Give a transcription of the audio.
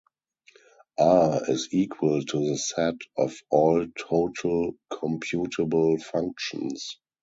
R is equal to the set of all total computable functions.